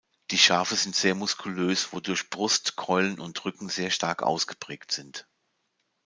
Die Schafe sind sehr muskulös, wodurch Brust, Keulen und Rücken sehr stark ausgeprägt sind.